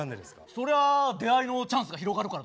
そりゃ出会いのチャンスが広がるからだろ。